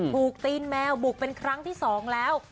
ตีนแมวบุกเป็นครั้งที่๒แล้ว